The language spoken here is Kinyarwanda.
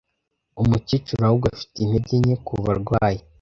Umukecuru ahubwo afite intege nke kuva arwaye.